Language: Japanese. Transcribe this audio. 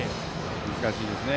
難しいですね。